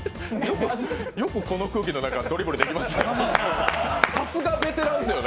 よくこの空気の中、ドリブルできますよね。